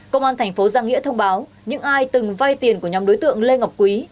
công an thành phố giang nghĩa thông báo những ai từng vay tiền của nhóm đối tượng lê ngọc quý